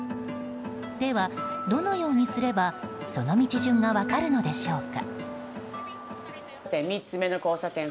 では、どのようにすればその道順が分かるのでしょうか。